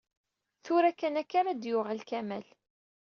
Tura kan akka ara d-yuɣal Kamal.